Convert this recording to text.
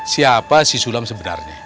siapa si sulam sebenarnya